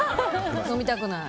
飲みたくない。